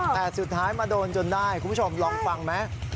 แต่สุดท้ายมาโดนจนได้คุณผู้ชมลองฟังไหม